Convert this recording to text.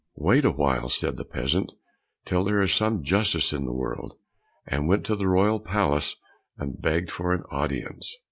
"Wait a while," said the peasant, "there is still some justice in the world!" and went to the royal palace and begged for an audience.